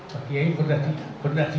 pak kiai pernah di